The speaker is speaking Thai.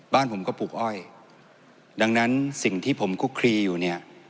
บ้านผมก็ปลูกอ้อยดังนั้นสิ่งที่ผมคุกคลีอยู่เนี่ย